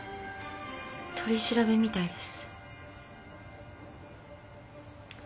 取り調べみたいです。